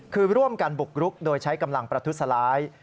คือร่วมกันบุกรุกโดยใช้กำลังประทุษร้าย